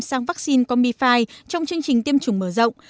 sang vaccine comifi trong chương trình tiêm chủng mở rộng